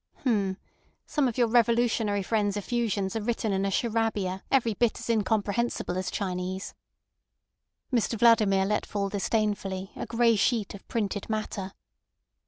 "H'm. Some of your revolutionary friends' effusions are written in a charabia every bit as incomprehensible as Chinese—" Mr Vladimir let fall disdainfully a grey sheet of printed matter.